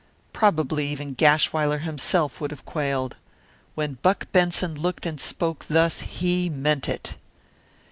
Probably even Gashwiler himself would have quailed. When Buck Benson looked and spoke thus he meant it.